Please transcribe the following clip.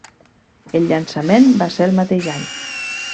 El llançament va ser el mateix any.